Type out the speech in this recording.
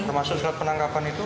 termasuk serat penangkapan itu